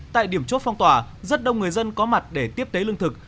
tại điểm chốt phong tỏa rất đông người dân có mặt để tiếp tế lương thực